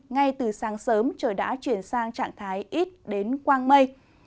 ngay từ sáng sớm trời đã chuyển sang trạng thái ít đến quang mây